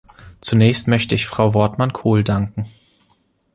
Zunächst möchte ich Frau Wortmann-Kool danken.